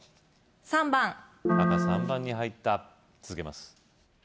３番赤３番に入った続けます